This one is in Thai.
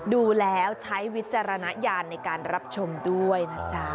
ดูแล้วใช้วิจารณญาณในการรับชมด้วยนะจ๊ะ